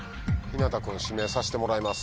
指名させてもらいます。